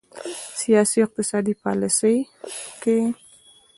سیاسي او اقتصادي پالیسیو کې